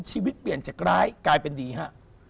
ชีวิตเปลี่ยนจากร้ายกลายเป็นดีฮะ